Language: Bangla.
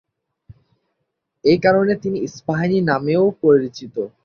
এই কারণে তিনি ইস্পাহানি নামেও পরিচিত।